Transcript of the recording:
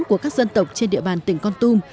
của các dân tộc trên địa bàn tỉnh con tum